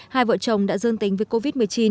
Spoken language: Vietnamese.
hai vợ chồng đã dương tính với covid một mươi chín